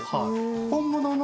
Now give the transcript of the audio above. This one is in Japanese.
本物の。